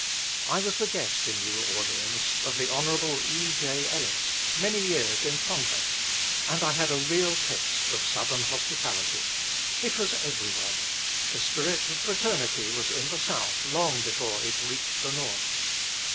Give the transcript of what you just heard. I was the guest in New Orleans of the Hon. E.J. Ellis, many years in Congress, and I had a taste of real Southern hospitality. It was everywhere. The spirit of fraternity was in the South long before it reached the North.